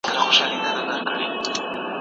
ایا د مقالي انشا ستا لپاره مهمه ده؟